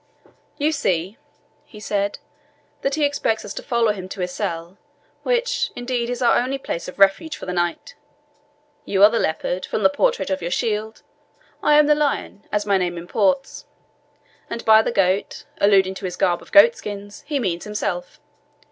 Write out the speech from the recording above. "You see," he said, "that he expects us to follow him to his cell, which, indeed, is our only place of refuge for the night. You are the leopard, from the portrait on your shield; I am the lion, as my name imports; and by the goat, alluding to his garb of goat skins, he means himself.